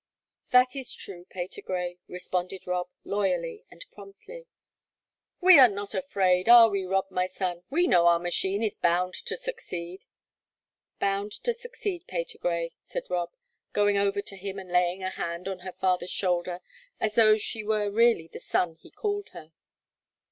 "That is true, Patergrey," responded Rob, loyally and promptly. "We're not afraid, are we, Rob, my son? We know our machine is bound to succeed." "Bound to succeed, Patergrey," said Rob, going over to him and laying a hand on her father's shoulder as though she were really the "son" he called her.